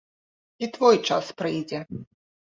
І твой час прыйдзе.